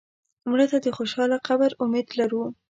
مړه ته د خوشاله قبر امید لرو